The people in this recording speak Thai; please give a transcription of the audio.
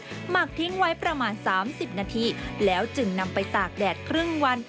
หมักทิ้งไว้ประมาณ๓๐นาทีแล้วจึงนำไปตากแดดครึ่งวัน